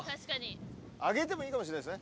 上げてもいいかもしれないですね。